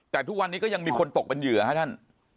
แต่ทุกวันนี้ก็ยังมีคนตกเป็นเหยื่อฮะท่าน